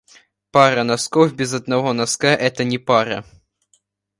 Пара носков без одного носка это не пара.